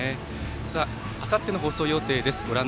あさっての放送予定です。